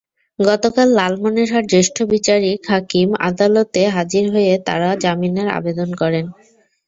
গতকাল লালমনিরহাট জ্যেষ্ঠ বিচারিক হাকিম আদালতে হাজির হয়ে তাঁরা জামিনের আবেদন করেন।